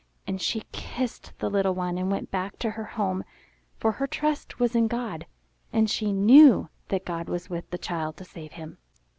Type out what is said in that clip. And she kissed the little one and went back to her home; for her trust was in God , and she knew that God was with the child to save him.